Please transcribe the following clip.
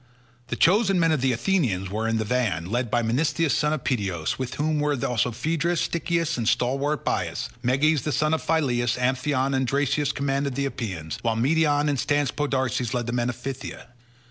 The chosen men of the Athenians were in the van, led by Menestheus son of Peteos, with whom were also Pheidas, Stichius, and stalwart Bias; Meges son of Phyleus, Amphion, and Dracius commanded the Epeans, while Medon and staunch Podarces led the men of Phthia.